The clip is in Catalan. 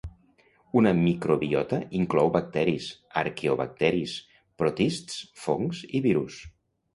Una microbiota inclou bacteris, arqueobacteris, protists, fongs i virus.